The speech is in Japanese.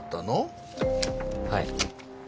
はい。